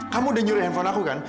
kamu udah nyuruh handphone aku kan